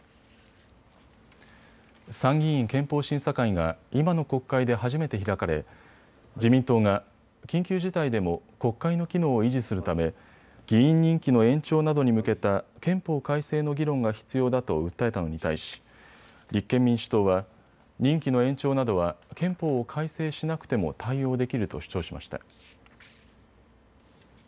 参議院憲法審査会が今の国会で初めて開かれ自民党が緊急事態でも国会の機能を維持するため議員任期の延長などに向けた憲法改正の議論が必要だと訴えたのに対し、立憲民主党は任期の延長などは憲法を改正しなくても対応できると主張しました。